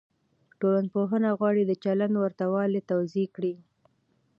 ټولنپوهنه غواړي د چلند ورته والی توضيح کړي.